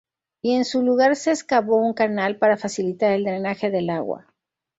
Y en su lugar se excavó un canal para facilitar el drenaje del agua.